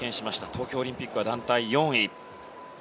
東京オリンピックは団体４位。